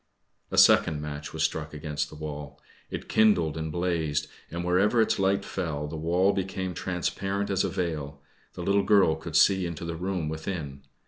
A second match was struck against the wall. It kindled and blazed, and wherever its light fell the wall became transparent as a veil the little girl could see into the room within.